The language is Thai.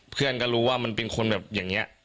เพื่อนก็รู้ว่ามันเป็นคนแบบอย่างนี้